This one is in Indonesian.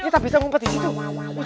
kita bisa ngumpet disitu